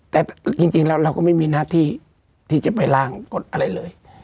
แต่จริงแล้วเราก็ไม่มีหน้าที่ที่จะไปล้างกฎอะไรเลย